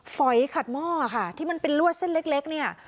ฝอยขัดหม้อค่ะที่มันเป็นลวดเส้นเล็กเนี่ย